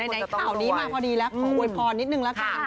ในข่าวนี้มาพอดีแล้วขออวยพอนิดนึงล่ะค่ะ